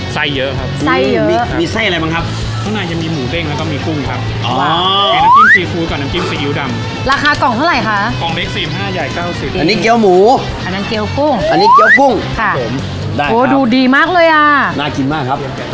สิ่งที่มีปี่ปูอย่างดีไม่ใช่